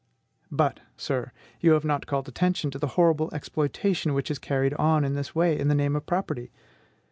But, sir, you have not called attention to the horrible exploitation which is carried on in this way in the name of property.